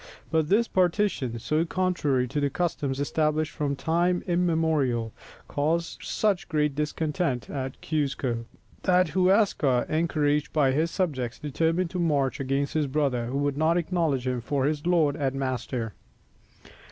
But this partition, so contrary to the customs established from time immemorial, caused such great discontent at Cuzco, that Huascar, encouraged by his subjects, determined to march against his brother, who would not acknowledge him for his lord and master.